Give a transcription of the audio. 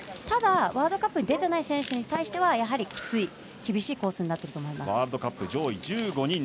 ただ、ワールドカップに出ていない選手に対してはやはりきつい、厳しいコースになっていると思います。